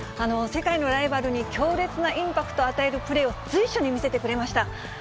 世界のライバルに強烈なインパクトを与えるプレーを随所に見せてくれました。